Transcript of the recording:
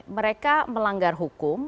mereka melanggar hukum